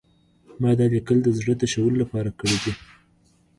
ما دا لیکل د زړه تشولو لپاره کړي دي